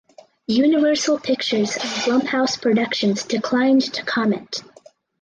Universal Pictures and Blumhouse Productions declined to comment.